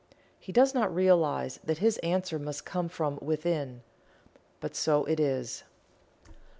He does not realize that his answer must come from Within but so it is.